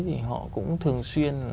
thì họ cũng thường xuyên